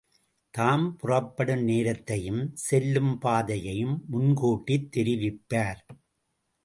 தாம் புறப்படும் நேரத்தையும் செல்லும் பாதையையும் முன்கூட்டித் தெரிவிப்பார்.